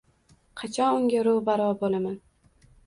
Qachon unga ro`baro` bo`laman